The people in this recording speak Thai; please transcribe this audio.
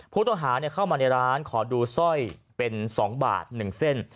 ผู้ต้องหาเข้ามาในร้านขอดูสร้อยเป็น๒บาท๑เส้น